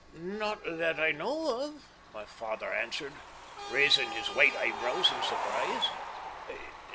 "Not that I know of," my father answered, raising his white eyebrows in surprise.